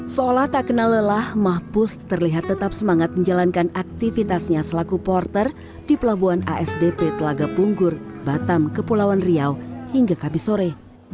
seolah tak kenal lelah mahpus terlihat tetap semangat menjalankan aktivitasnya selaku porter di pelabuhan asdp telaga punggur batam kepulauan riau hingga kabisore